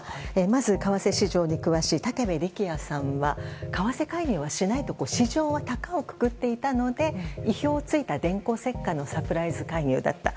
まず、為替市場に詳しい武部力也さんは為替介入はしないと市場は高をくくっていたので意表を突いた電光石火のサプライズ介入だった。